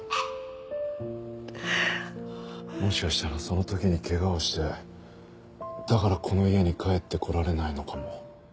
もしかしたらその時に怪我をしてだからこの家に帰ってこられないのかも。